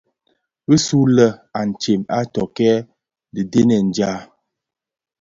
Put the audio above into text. Bisulè antsem a tokkè dhidenèn dja.